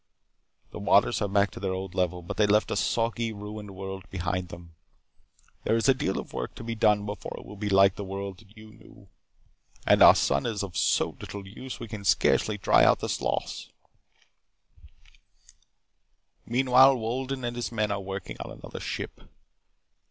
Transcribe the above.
"The waters are back to their old level, but they left a soggy, ruined world behind them. There is a deal of work to be done before it will be like the world that you knew. And our sun is of so little use that it can scarcely dry out the sloughs. "Meanwhile, Wolden and his men are working on another ship.